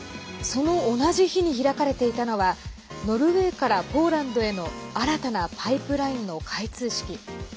その同じ日に開かれていたのはノルウェーからポーランドへの新たなパイプラインの開通式。